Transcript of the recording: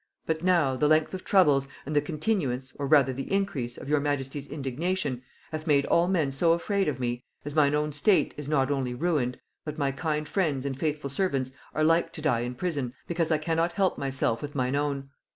But now, the length of troubles, and the continuance, or rather the increase, of your majesty's indignation, hath made all men so afraid of me, as mine own state is not only ruined, but my kind friends and faithful servants are like to die in prison because I cannot help myself with mine own.